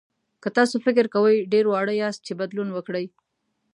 که تاسو فکر کوئ ډېر واړه یاست چې بدلون وکړئ.